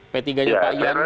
p tiga nya pak iyan